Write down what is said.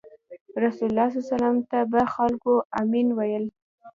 رسول الله ﷺ ته به خلکو “امین” ویل.